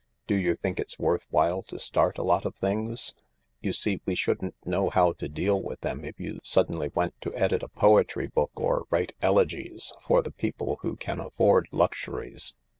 Do you think it's worth while to start a lot of things ?... you see, we shouldn't know how to deal with them if you suddenly went to edit a poetry book, or write elegies, for the people who can afford luxuries."